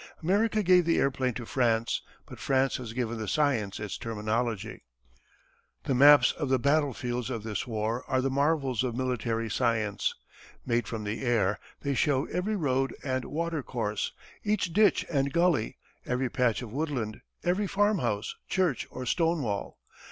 America gave the airplane to France, but France has given the science its terminology. The maps of the battlefields of this war are the marvels of military science. Made from the air they show every road and watercourse, every ditch and gully, every patch of woodland, every farmhouse, church, or stonewall.